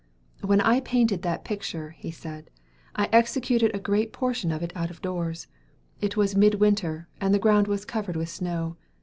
"When I painted that picture," he said, "I executed a great portion of it out of doors. It was midwinter, and the ground was covered with snow.